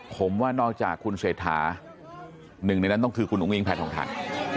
ผมว่านอกจากคุณเศรษฐาหนึ่งในนั้นต้องคือคุณอุ้งแพทองทาน